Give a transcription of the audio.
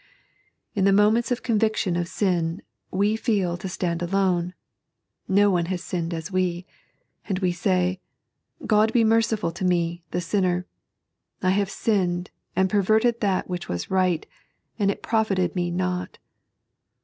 In the moments of conviction of sin we feel to stand alone — no one has sinned as we ; and we say : Ood be merciful to me, the sinner; I have sinned and perverted that which was right, and it profited me not.